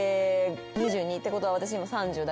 ２２ってことは私今３０だから。